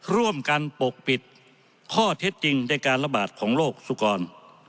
ร่วมกันปกปิดข้อเท็จจริงในการระบาดของโลกสุกร